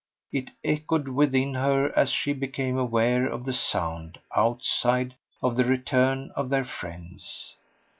it echoed within her as she became aware of the sound, outside, of the return of their friends.